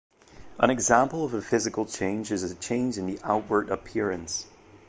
An example of a physical change is a change in the outward appearance.